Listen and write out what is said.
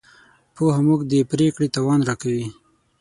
پوهه موږ ته د پرېکړې توان راکوي.